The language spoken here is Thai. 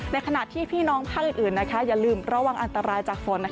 ในขณะที่พี่น้องภาคอื่นอย่าลืมระวังอันตรายจากฝน